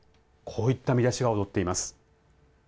こういった見出しが躍っています。